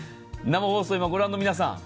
生放送をご覧の皆さま